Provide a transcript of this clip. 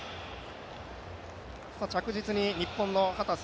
着実に日本の秦澄